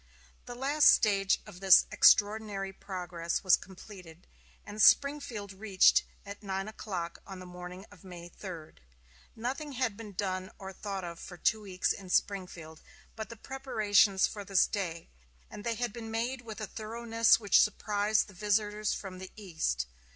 The last stage of this extraordinary progress was completed, and Springfield reached at nine o'clock on the morning of May 3. Nothing had been done or thought of for two weeks in Springfield but the preparations for this day, and they had been made with a thoroughness which surprised the visitors from the East.